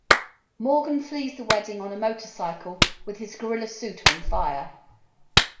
Morgan flees the wedding on a motorcycle with his gorilla suit on fire.